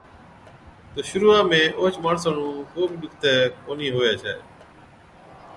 تہ شرُوعا ۾ اوهچ ماڻسا نُون ڪو بِي ڏُکتَي ڪونهِي هُوَي ڇَي۔